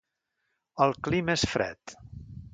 El clima és fred.